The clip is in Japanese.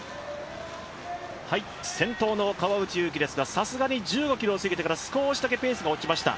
先頭の川内優輝ですがさすがに１５ｋｍを過ぎてから少しだけペースが落ちました。